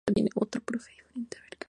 Por tanto, La Dra.